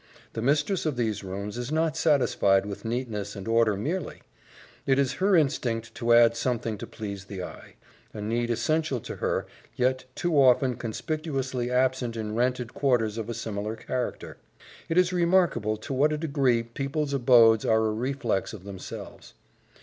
The mistress of these rooms is not satisfied with neatness and order merely; it is her instinct to add something to please the eye a need essential to her, yet too often conspicuously absent in rented quarters of a similar character. It is remarkable to what a degree people's abodes are a reflex of themselves.